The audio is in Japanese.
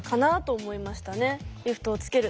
リフトをつける。